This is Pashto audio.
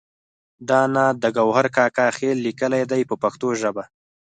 دا نعت د ګوهر کاکا خیل لیکلی دی په پښتو ژبه.